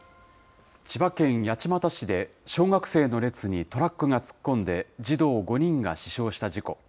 千葉県八街市で小学生の列にトラックが突っ込んで、児童５人が死傷した事故。